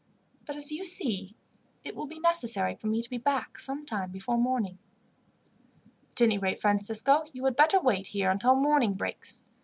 But, as you see, it will be necessary for me to be back sometime before morning." "At any rate, Francisco, you had better wait here until morning breaks.